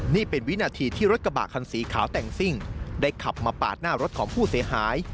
นี่เป็นวินาทีที่รถกระบะคันสีขาวแต่งซิ่งได้ขับมาปาดหน้ารถของผู้เสียหาย